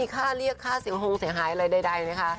ค่าเรียกค่าเสียโฮงเสียหายอะไรใดนะคะ